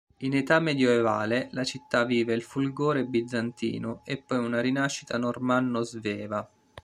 In età medioevale la città vive il fulgore bizantino e poi una rinascita normanno-sveva.